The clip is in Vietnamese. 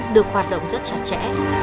được hoạt động rất chặt chẽ